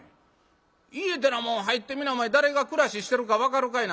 家てなもん入ってみなお前誰が暮らししてるか分かるかいな」。